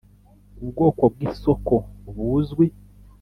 ubwoko bw isoko buzwi